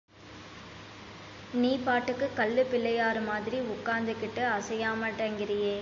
நீ பாட்டுக்குக் கல்லுப்பிள்ளையாரு மாதிரி உக்காந்துக் கிட்டு அசையமாட்டேங்கிறியே!